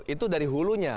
itu dari hulunya